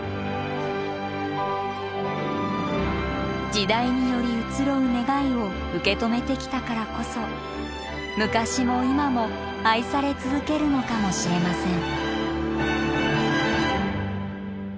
時代により移ろう願いを受け止めてきたからこそ昔も今も愛され続けるのかもしれません。